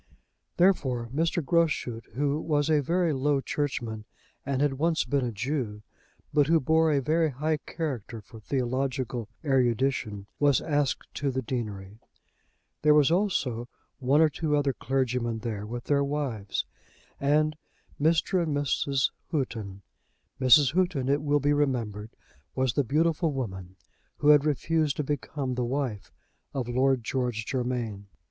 Therefore, Mr. Groschut, who was a very low churchman and had once been a Jew, but who bore a very high character for theological erudition, was asked to the deanery. There were also one or two other clergymen there, with their wives, and Mr. and Mrs. Houghton. Mrs. Houghton, it will be remembered, was the beautiful woman who had refused to become the wife of Lord George Germain.